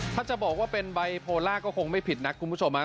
ถ้าจะบอกว่าเป็นไบโพล่าก็คงไม่ผิดนักคุณผู้ชมฮะ